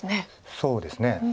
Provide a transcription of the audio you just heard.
そうですね。